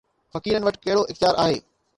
فقيرن وٽ ڪهڙو اختيار آهي؟